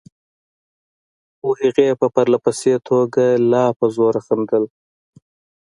خو هغې په پرله پسې توګه لا په زوره خندل.